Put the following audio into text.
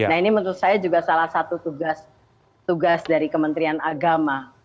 nah ini menurut saya juga salah satu tugas dari kementerian agama